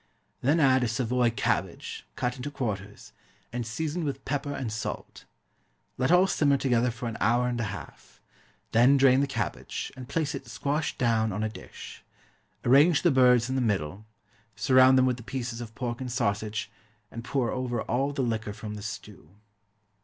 Then add a Savoy cabbage, cut into quarters, and seasoned with pepper and salt. Let all simmer together for an hour and a half. Then drain the cabbage, and place it, squashed down, on a dish. Arrange the birds in the middle, surround them with the pieces of pork and sausage, and pour over all the liquor from the stew.